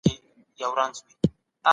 هغه په پردېسۍ کي هم د وطن کیسې کولې.